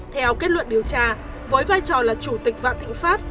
theo kết luận điều tra với vai trò là chủ tịch vạn thịnh pháp